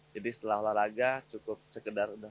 jadi setelah olahraga cukup sekedar